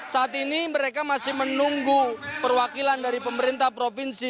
saat ini mereka masih menunggu perwakilan dari pemerintah provinsi